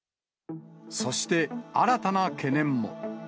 そして、新たな懸念も。